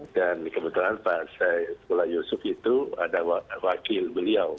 dan kebetulan pak saifula yusuf itu ada wakil beliau